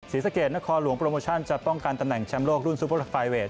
ศรีสะเกดนครหลวงโปรโมชั่นจะป้องกันตำแหน่งแชมป์โลกรุ่นซูเปอร์ไฟเวท